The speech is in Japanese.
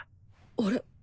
あれ？